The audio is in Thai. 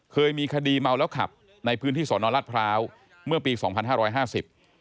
เคยมีคดีเมาแล้วขับในพื้นที่สอนอรัฐพร้าวเมื่อปีสองพันห้าร้อยห้าสิบ